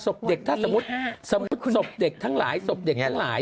สมมุติศพเด็กถึงทั้งหลาย